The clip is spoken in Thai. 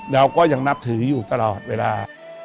เราก็ยังนับถืออยู่ตลอดเวลา